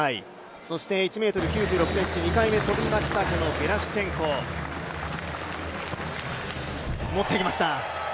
そして、１ｍ９６ｃｍ２回目、跳びましたゲラシュチェンコ、持っていきました。